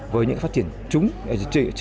với những phát triển chính của nhân loại của khu vực